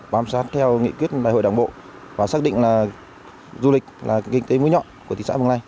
bám sát theo nghị quyết bài hội đảng bộ và xác định du lịch là kinh tế mũi nhọn của thị xã mờ lây